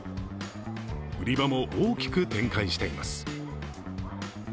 売り場も大きく展開しています。